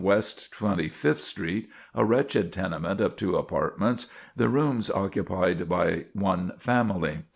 West Twenty fifth Street, a wretched tenement of two apartments, the rooms occupied by one family.